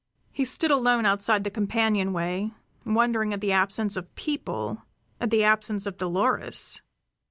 He stood alone outside the companionway, wondering at the absence of people, at the absence of Dolores.